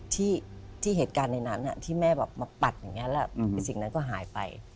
แต่เวลาที่เหตุการณ์ในนั้นที่แม่มาปัดสิ่งนั้นก็หายไป